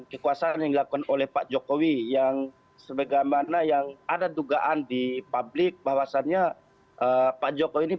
kekuasaan oh kilowatt pilih yang sebagaimana yang ada dugaan di publik bahwasannya pak jokowi